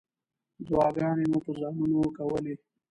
دعاګانې مو په ځانونو کولې.